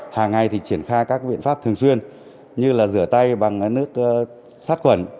hàng ngày thì triển khai các biện pháp thường xuyên như là rửa tay bằng nước sát khuẩn